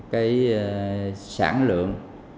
cái sản lượng